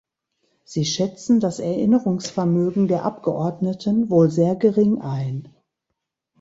Sie schätzen das Erinnerungsvermögen der Abgeordneten wohl sehr gering ein.